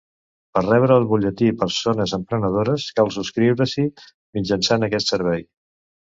Per rebre el butlletí Persones Emprenedores, cal subscriure-s'hi mitjançant aquest Servei.